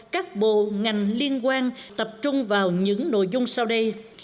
các bộ ngành liên quan tập trung vào những nội dung sau đây